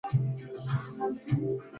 Estoy pez en mates, seguro que me suspenden